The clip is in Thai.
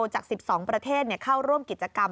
จาก๑๒ประเทศเข้าร่วมกิจกรรม